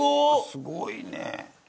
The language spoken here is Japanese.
すごいよ。